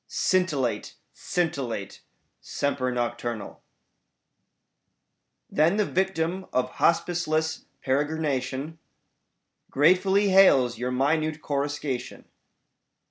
Scintillate, scintillate, semper nocturnal. Saintc Margirie 4T7 Then the yictiin of hospiceless peregrination Gratefully hails your minute coruscation.